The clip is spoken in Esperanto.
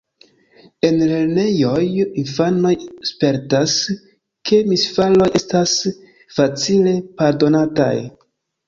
En lernejoj infanoj spertas, ke misfaroj estas facile pardonataj.